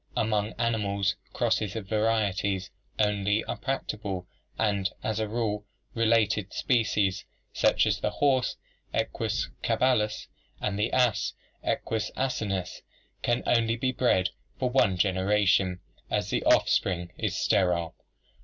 Among animals crosses of varieties only are practicable and as a rule related species such as the horse (Equus caballus) and the ass (Equus asinus) can be bred only for one generation, as the off spring is sterile.